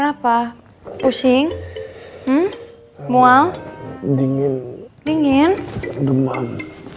hai hmm mau dingin dingin demam